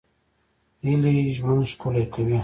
هیلې ژوند ښکلی کوي